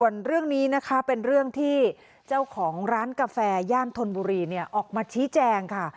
ส่วนเรื่องนี้นะคะเป็นเรื่องที่เจ้าของร้านกาแฟย่านธนบุรีเนี่ยออกมาชี้แจงค่ะ